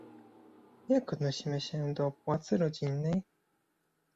Jak odnosimy się do płacy rodzinnej?